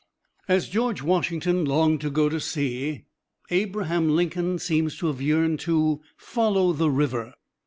As George Washington longed to go to sea, Abraham Lincoln seems to have yearned to "follow the river."